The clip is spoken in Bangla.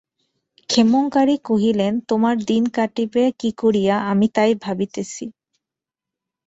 ক্ষেমংকরী কহিলেন, তোমার দিন কাটিবে কী করিয়া আমি তাই ভাবিতেছি।